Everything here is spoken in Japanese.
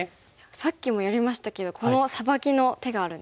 さっきもやりましたけどこのサバキの手があるんですね。